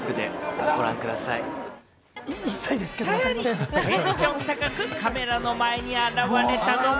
さらにテンション高くカメラの前に現れたのが。